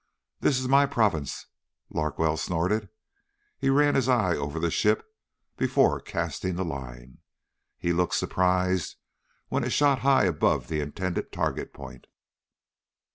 "This is my province." Larkwell snorted. He ran his eye over the ship before casting the line. He looked surprised when it shot high above the intended target point.